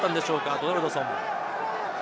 ドナルドソン。